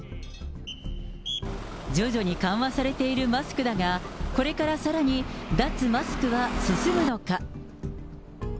徐々に緩和されているマスクだが、これからさらに脱マスクは進むのか。